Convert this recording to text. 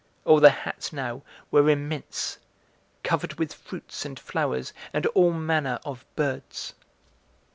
All the hats now were immense; covered with fruits and flowers and all manner of birds.